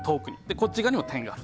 こっち側にも点がある。